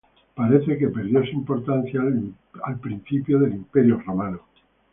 Parece que perdió su importancia al principio del Imperio romano.